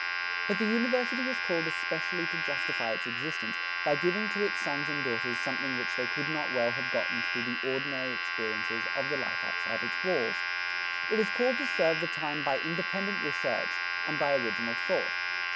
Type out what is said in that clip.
But the University is called especially to justify its existence by giving to its sons and daughters something which they could not well have gotten through the ordinary experiences of the life outside its walls. It is called to serve the time by independent research and by original thought.